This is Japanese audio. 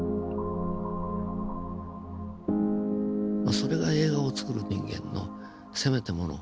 それが映画をつくる人間のせめてもの資格ですね。